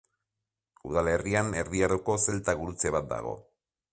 Udalerrian Erdi Aroko zelta gurutze bat dago.